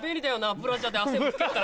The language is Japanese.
ブラジャーで汗も拭けっからよ。